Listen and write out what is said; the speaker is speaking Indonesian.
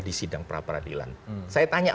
di sidang pra peradilan saya tanya